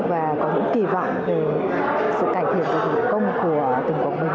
và có những kỳ vọng về sự cải thiện dịch vụ công của tỉnh quảng bình